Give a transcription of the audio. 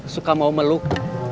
suka mau meluk